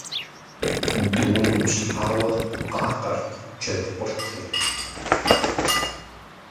Дум ипщхьауэ къакъэрт джэд къуртыр.